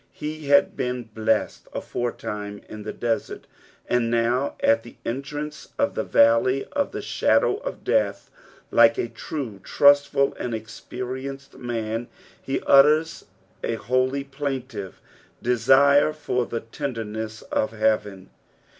He had been blessed aforetime in the desert, aud now at the entrance of the valley of the shadow of death, like a true, trustful, and experienced man. he utters a holy, plaintive desire for the tenderness of heaven.